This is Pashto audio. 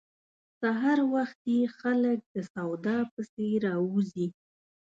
سهار وختي خلک د سودا پسې راوزي.